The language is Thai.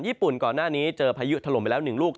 ญี่ปุ่นก่อนหน้านี้เจอพยุทรลมไปแล้ว๑ลูก